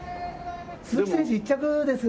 鈴木選手１着です。